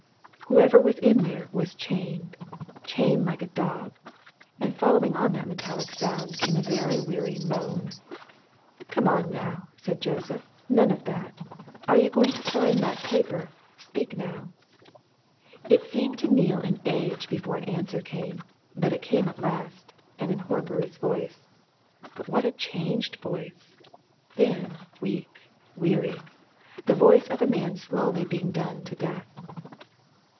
Whoever was in there was chained! chained like a dog. And following on that metallic sound came a weary moan. "Come on, now!" said Joseph. "None of that! Are you going to sign that paper? Speak, now!" It seemed to Neale an age before an answer came. But it came at last and in Horbury's voice. But what a changed voice! Thin, weak, weary the voice of a man slowly being done to death.